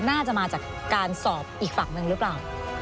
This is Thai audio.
น่าจะมาจากการสอบอีกฝั่งหนึ่งหรือเปล่า